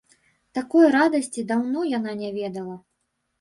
Такой радасці даўно яна не ведала.